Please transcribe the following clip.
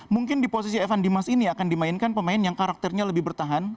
mungkin di posisi evan dimas ini akan dimainkan pemain yang karakternya lebih bertahan